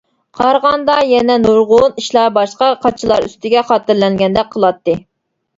قارىغاندا يەنە نۇرغۇن ئىشلار باشقا قاچىلار ئۈستىگە خاتىرىلەنگەندەك قىلاتتى.